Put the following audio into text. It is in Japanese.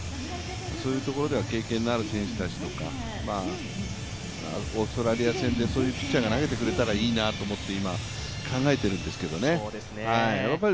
そういうところでは経験のある選手とかオーストラリア戦でそういうピッチャーが投げてくれたらいいなと思って今、考えているんですけどね。